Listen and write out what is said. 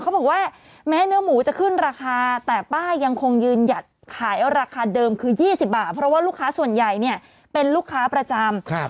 เขาบอกว่าแม้เนื้อหมูจะขึ้นราคาแต่ป้ายังคงยืนหยัดขายราคาเดิมคือ๒๐บาทเพราะว่าลูกค้าส่วนใหญ่เนี่ยเป็นลูกค้าประจำ